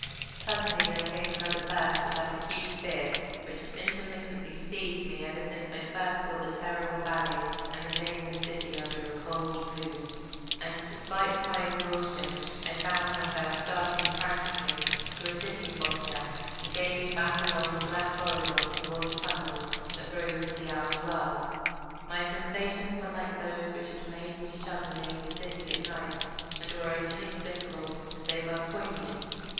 Suddenly there came another burst of that acute fear which had intermittently seized me ever since I first saw the terrible valley and the nameless city under a cold moon, and despite my exhaustion I found myself starting frantically to a sitting posture and gazing back along the black corridor toward the tunnels that rose to the outer world. My sensations were much like those which had made me shun the nameless city at night, and were as inexplicable as they were poignant.